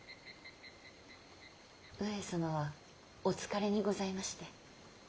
上様はお疲れにございまして。